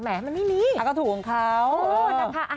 แหมมันไม่มีเอ้าก็ถูกของเขาเออนะคะ